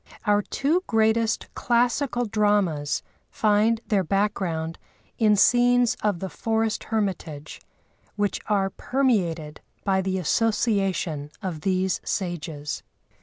Our two greatest classical dramas find their background in scenes of the forest hermitage, which are permeated by the association of these sages.